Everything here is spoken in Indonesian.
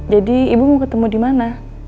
jadi ibu mau ketemu di mana